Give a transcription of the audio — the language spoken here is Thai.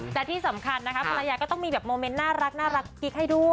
แต่ที่สำคัญนะคะภรรยาก็ต้องมีแบบโมเมนต์น่ารักกิ๊กให้ด้วย